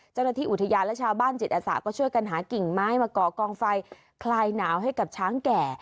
เจ้าหน้าที่อุทยานและชาวบ้านจิตอาสาก็ช่วยกันหากิ่งไม้มาก่อกองไฟคลายหนาวให้กับช้างแก่